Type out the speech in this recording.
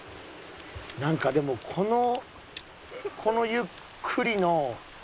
なんかでもこのこのゆっくりの。